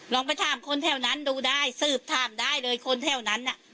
ลองไปถามคนแถวนั้นดูได้สืบถามได้เลยคนแถวนั้นน่ะ